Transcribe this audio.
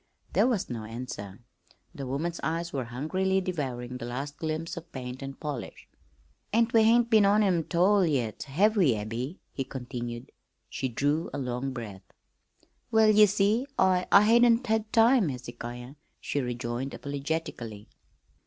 There was no answer. The woman's eyes were hungrily devouring the last glimpse of paint and polish. "An' we hain't been on 'em 't all yet, have we, Abby?" he continued. She drew a long breath. "Well, ye see, I I hain't had time, Hezekiah," she rejoined apologetically.